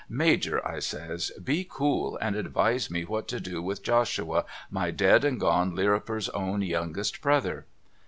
' Major ' I says ' be cool and advise me what to do with Josliua my dead and gone Lirriper's own youngest brother.'